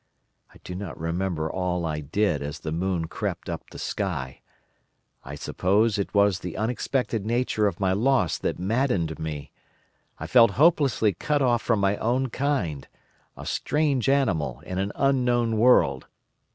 I do not remember all I did as the moon crept up the sky. I suppose it was the unexpected nature of my loss that maddened me. I felt hopelessly cut off from my own kind—a strange animal in an unknown world.